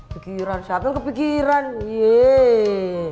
pikiran siapa kepikiran yee